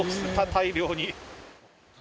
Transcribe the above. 大量に。